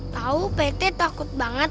tau pt takut banget